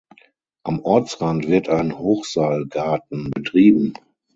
Am Ortsrand wird ein Hochseilgarten betrieben.